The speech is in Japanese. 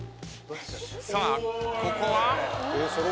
さあここは。